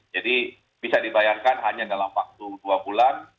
jadi bisa dibayangkan hanya dalam waktu dua bulan